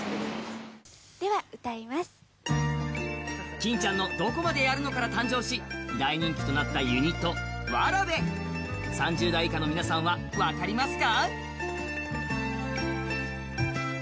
「欽ちゃんのどこまでやるの」から誕生し大人気となったユニット、わらべ３０代以下の皆さんは分かりますか？